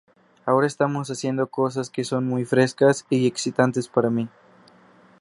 Ahora estamos haciendo cosas que son muy frescas y excitantes para mi.